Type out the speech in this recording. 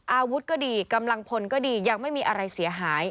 อาวุธก็ดีกำลังพลก็ดียังไม่มีอะไรเสียหาย